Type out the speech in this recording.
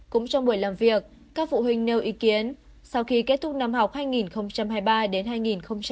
cũng trong buổi làm việc các phụ huynh nêu ý kiến sau khi kết thúc năm học hai nghìn hai mươi ba đến hai nghìn hai mươi ba